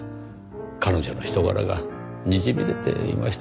彼女の人柄がにじみ出ていましたので。